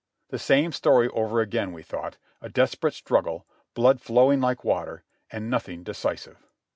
"The same story over again," we thought. "A desperate strug gle, blood flowing like water, and nothing decisive."